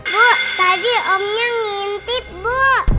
bu tadi omnya ngintip bu